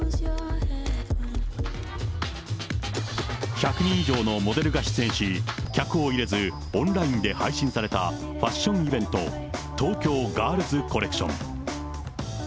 １００人以上のモデルが出演し、客を入れず、オンラインで配信されたファッションイベント、東京ガールズコレクション。